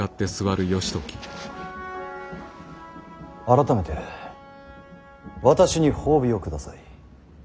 改めて私に褒美を下さい。